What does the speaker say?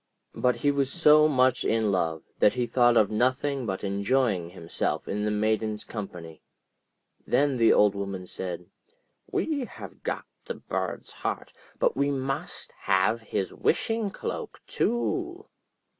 But he was so much in love, that he thought of nothing but enjoying himself in the Maiden's company. Then the Old Woman said: 'We have got the bird's heart, but we must have his wishing cloak too.'